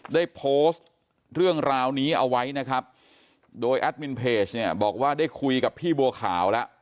ได้โพสต์เรื่องราวนี้เอาไว้นะครับโดยแอดมินเพจเนี่ยบอกว่าได้คุยกับพี่บัวขาวแล้ว